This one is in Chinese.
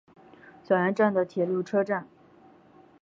小岩站的铁路车站。